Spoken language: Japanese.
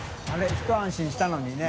ひと安心したのにね。